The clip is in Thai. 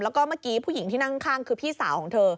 แล้วก็เมื่อกี้ผู้หญิงที่นั่งข้างคือพี่สาวของเธอ